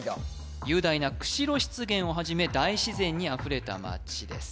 雄大な釧路湿原をはじめ大自然にあふれた街です